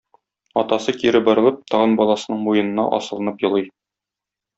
Атасы кире борылып, тагын баласының муенына асылынып елый.